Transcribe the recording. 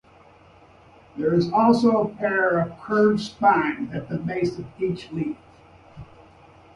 There is also a pair of curved spines at the base of each leaf.